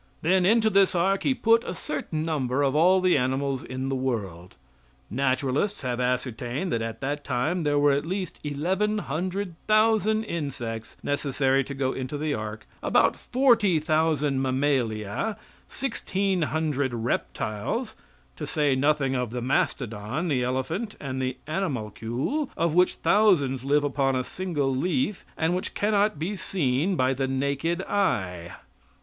Then into this ark he put a certain number of all the animals in the world. Naturalists have ascertained that at that time there were at least eleven hundred thousand insects necessary to go into the ark, about forty thousand mammalia, sixteen hundred reptiles, to say nothing of the mastodon, the elephant and the animalcule, of which thousands live upon a single leaf and which cannot be seen by the naked eye.